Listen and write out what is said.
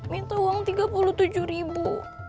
minta uang tiga puluh tujuh ribu